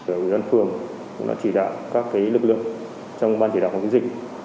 tổ dân phường chỉ đạo các lực lượng trong ban chỉ đạo phòng chống dịch